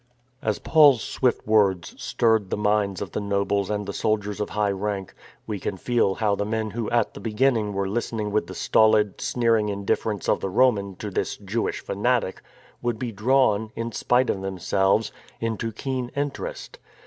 As Paul's swift words stirred the minds of the nobles and the soldiers of high rank, we can feel how the men who at the beginning were listening with the stolid, sneering indifference of the Roman to " this Jewish fanatic " would be drawn, in spite of them selves, into keen interest.